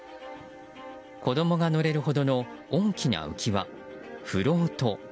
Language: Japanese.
子供が乗れるほどの大きな浮き輪、フロート。